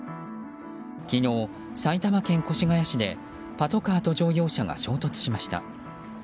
昨日、埼玉県越谷市でパトカーと乗用車が衝突しました。